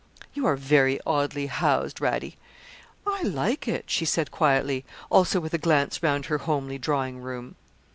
'You are very oddly housed, Radie.' 'I like it,' she said quietly, also with a glance round her homely drawing room.